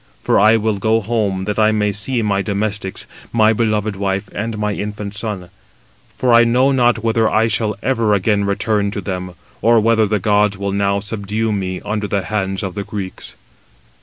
For I will go home, that I may see my domestics, my beloved wife, and my infant son. For I know not whether I shall ever again return to them, or whether the gods will now subdue me under the hands of the Greeks."